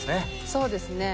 そうですね。